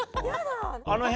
あの辺。